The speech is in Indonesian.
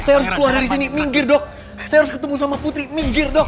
saya harus keluar dari sini minggir dok saya harus ketemu sama putri minggir dok